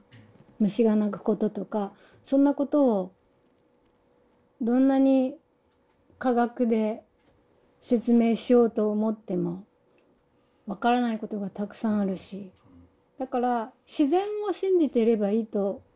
虫が鳴くこととかそんなことをどんなに科学で説明しようと思っても分からないことがたくさんあるしだから自然を信じていればいいと思いますよね。